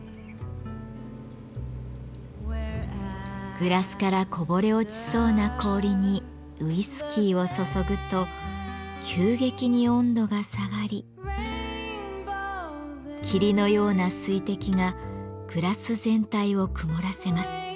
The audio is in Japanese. グラスからこぼれ落ちそうな氷にウイスキーを注ぐと急激に温度が下がり霧のような水滴がグラス全体を曇らせます。